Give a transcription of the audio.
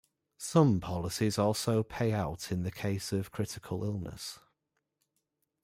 Some policies also pay out in the case of critical illness.